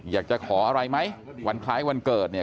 อยากจะขออะไรไหมวันคล้ายวันเกิดเนี่ย